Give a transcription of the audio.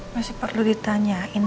masih perlu ditanyain